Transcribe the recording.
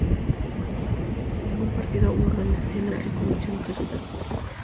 Ningún partido u organización opositora reconoció los resultados.